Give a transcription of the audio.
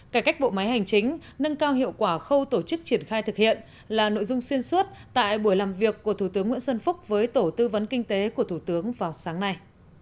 cải cách bộ máy hành chính nâng cao hiệu quả khâu tổ chức triển khai thực hiện là nội dung xuyên suốt tại buổi làm việc của thủ tướng nguyễn xuân phúc với tổ tư vấn kinh tế của thủ tướng vào sáng nay